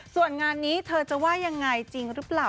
ส่วนงานนี้เธอจะว่ายังไงจริงหรือเปล่า